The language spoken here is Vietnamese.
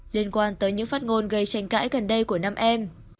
liên quan tới những phát ngôn gây tranh cãi gần đây của năm em